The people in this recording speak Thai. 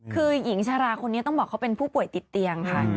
คือหญิงชาราคนนี้ต้องบอกเขาเป็นผู้ป่วยติดเตียงค่ะ